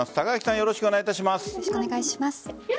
よろしくお願いします。